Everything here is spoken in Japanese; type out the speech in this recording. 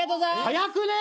早くねえ⁉